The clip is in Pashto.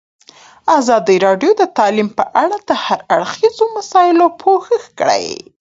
ازادي راډیو د تعلیم په اړه د هر اړخیزو مسایلو پوښښ کړی.